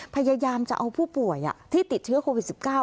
พยายามจะเอาผู้ป่วยที่ติดเชื้อโควิด๑๙